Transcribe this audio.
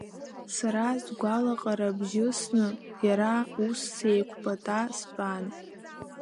Сара сгәалаҟара бжьысны, иара ус сеиқәпата стәан.